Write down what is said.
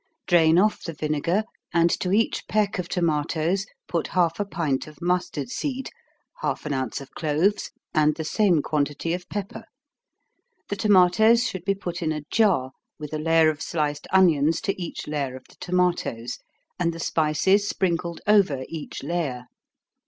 Drain off the vinegar, and to each peck of tomatos put half a pint of mustard seed, half an ounce of cloves, and the same quantity of pepper. The tomatos should be put in a jar, with a layer of sliced onions to each layer of the tomatos, and the spices sprinkled over each layer.